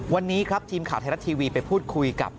วันนี้ครับทีมข่าวไทยรัฐทีวีไปพูดคุยกับ